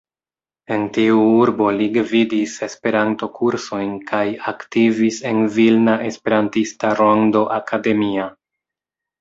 En tiu urbo li gvidis Esperanto-kursojn kaj aktivis en Vilna Esperantista Rondo Akademia.